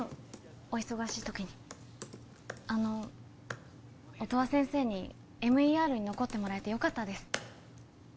お忙しい時にあの音羽先生にＭＥＲに残ってもらえてよかったです